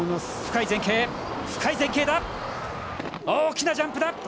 大きなジャンプだ！